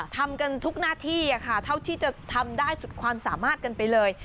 ทำกันทุกหน้าที่ค่ะเท่าที่จะทำได้สุดความสามารถกันไปเลย